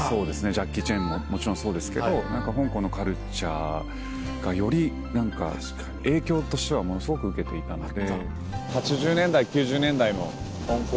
ジャッキー・チェンももちろんそうですけど香港のカルチャーがより何か影響としてはものすごく受けていたので。